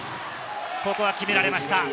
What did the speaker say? ここは決められました。